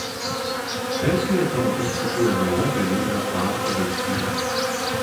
Persijoje tuo metu susikūrė nauja galinga partų valstybė.